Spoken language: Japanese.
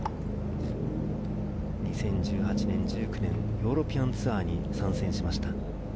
２０１８年、１９年、ヨーロピアンツアーに参戦しました。